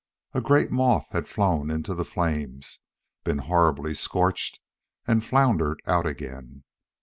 A great moth had flown into the flames, been horribly scorched, and floundered out again.